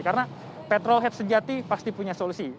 karena petrol head sejati pasti punya solusi